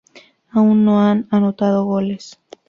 Aún no ha anotado goles.